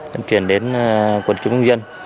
tuyên truyền đến quận trung dân